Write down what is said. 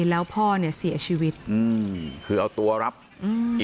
แล้วพ่อเนี้ยเสียชีวิตอืมคือเอาตัวรับอืม